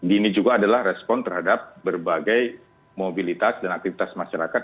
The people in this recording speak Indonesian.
ini juga adalah respon terhadap berbagai mobilitas dan aktivitas masyarakat